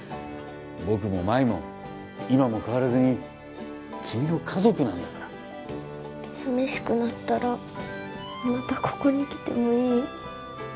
僕も麻衣も今も変わらずに君の家族なんだから寂しくなったらまたここに来てもいい？